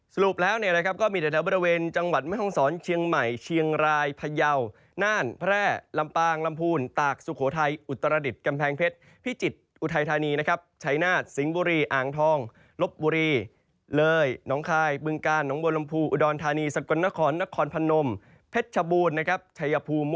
สรุปแล้วเนี่ยนะครับก็มีแต่แถวบริเวณจังหวัดแม่ห้องศรเชียงใหม่เชียงรายพยาวน่านแพร่ลำปางลำพูนตากสุโขทัยอุตรดิษฐ์กำแพงเพชรพิจิตรอุทัยธานีนะครับชัยนาฏสิงห์บุรีอ่างทองลบบุรีเลยน้องคายบึงกาลหนองบัวลำพูอุดรธานีสกลนครนครพนมเพชรชบูรณ์นะครับชัยภูมิ